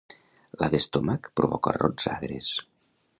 La d'estómac provoca rots agres.